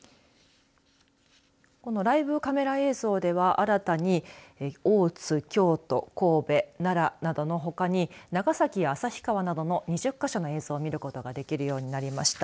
このライブカメラ映像では新たに大津、京都神戸、奈良などのほかに長崎や旭川などの２０か所の映像を見ることができるようになりました。